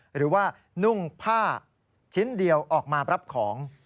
หรือว่านุ่งผ้าชิ้นเดียวออกมารับของ